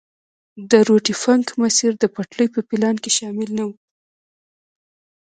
د روټي فنک مسیر د پټلۍ په پلان کې شامل نه وو.